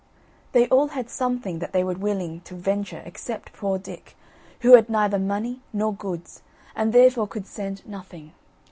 They all had something that they were willing to venture except poor Dick, who had neither money nor goods, and therefore could send nothing.